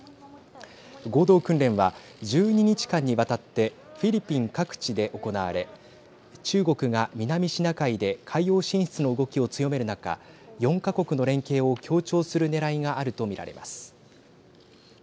合同訓練は１２日間にわたってフィリピン各地で行われ中国が南シナ海で海洋進出の動きを強める中４か国の連携を強調するねらいがあると見られます。